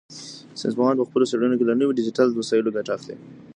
ساینس پوهان په خپلو څېړنو کې له نویو ډیجیټل وسایلو ګټه اخلي.